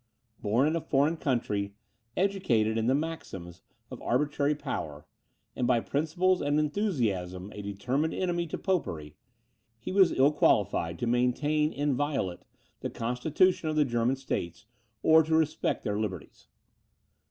Born in a foreign country, educated in the maxims of arbitrary power, and by principles and enthusiasm a determined enemy to Popery, he was ill qualified to maintain inviolate the constitution of the German States, or to respect their liberties.